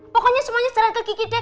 pokoknya semuanya serah ke gigi deh